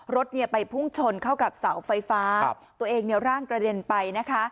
รถเนี่ยไปพุ่งชนเข้ากับเสาไฟฟ้าตัวเองเนี่ยร่างกระเด็นไปนะคะ